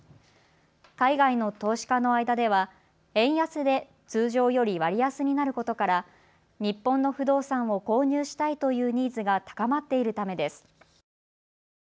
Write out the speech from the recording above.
海外の投資家の間では円安で通常より割安になることから日本の不動産を購入したいというニーズが高まっているためです。